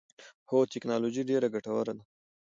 هو، تکنالوجی ډیره ګټوره ده